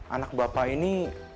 anak bapak ini